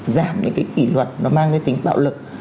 giảm những cái kỷ luật nó mang cái tính bạo lực